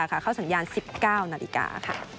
เข้าสัญญาณ๑๙นาฬิกา